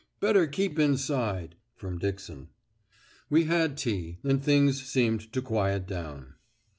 'Better keep inside,' from Dixon. We had tea, and things seemed to quiet down.